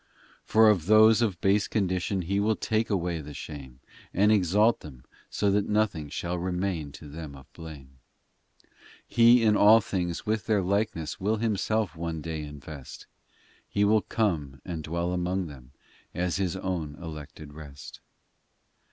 IX For of those of base condition He will take away the shame, And exalt them, so that nothing Shall remain to them of blame. He in all things with their likeness Will Himself one day invest ; He will come and dwell among them, As His own elected rest.